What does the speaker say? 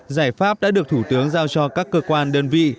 giải pháp đã được thủ tướng giao cho các cơ quan đơn vị